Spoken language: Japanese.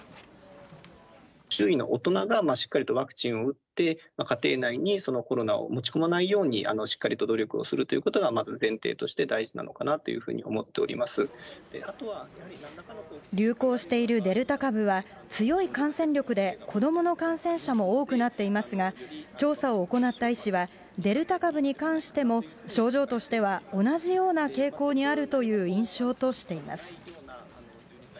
周囲の大人がしっかりとワクチンを打って、家庭内にコロナを持ち込まないように、しっかりと努力をするということがまず前提として大事なのかなと流行しているデルタ株は、強い感染力で子どもの感染者も多くなっていますが、調査を行った医師は、デルタ株に関しても症状としては同じような傾向にあるという印象としています。